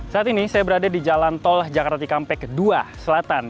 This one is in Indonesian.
saat ini saya berada di jalan tol jakarta cikampek dua selatan